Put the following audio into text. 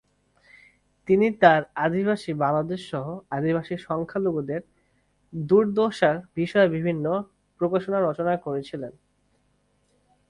তিনি তার আদিবাসী বাংলাদেশ সহ আদিবাসী সংখ্যালঘুদের দুর্দশার বিষয়ে বিভিন্ন প্রকাশনা রচনা করেছিলেন।